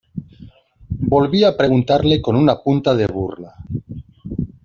volví a preguntarle con una punta de burla: